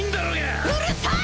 うるさい！